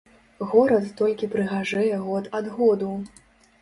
Горад толькі прыгажэе год ад году.